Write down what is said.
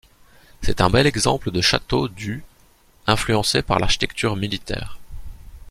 C'est un bel exemple de château du influencé par l'architecture militaire.